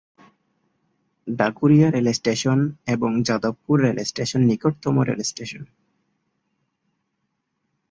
Dhakuria rail station এবং Jadavpur rail station নিকটতম rail station.